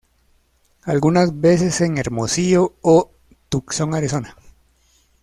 Algunas veces en Hermosillo o Tucson, Arizona.